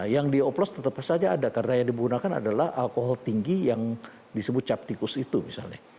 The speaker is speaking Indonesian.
yang dioplos tetap saja ada karena yang digunakan adalah alkohol tinggi yang disebut captikus itu misalnya